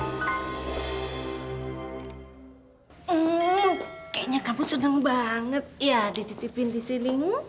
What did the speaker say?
hmm kayaknya kamu seneng banget ya dititipin di sini